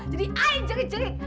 jadi ayah jerit jerit